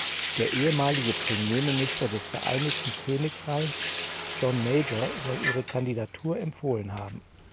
Der ehemalige Premierminister des Vereinigten Königreichs John Major soll ihre Kandidatur empfohlen haben.